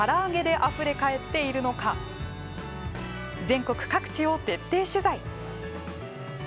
全国各地を徹底取材。